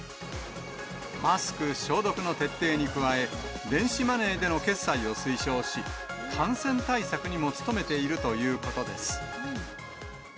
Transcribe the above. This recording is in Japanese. マスク、消毒の徹底に加え、電子マネーでの決済を推奨し、感染対策にも努めているということです。